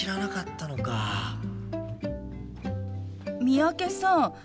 三宅さん